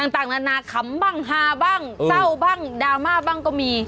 ต่างนานาขำบ้างฮาบ้างเศร้าบ้างดราม่าบ้างก็มี